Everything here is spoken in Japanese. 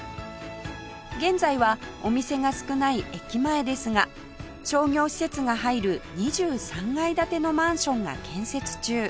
現在はお店が少ない駅前ですが商業施設が入る２３階建てのマンションが建設中